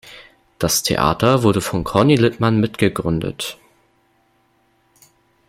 Das Theater wurde von Corny Littmann mitgegründet.